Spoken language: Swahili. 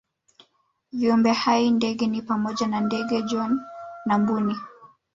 Viumbe hai ndege ni pamoja na ndege John na Mbuni